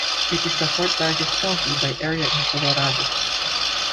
It is the fourth-largest county by area in Colorado.